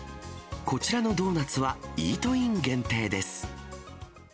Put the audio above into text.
こちらのドーナツはイートイン限定です。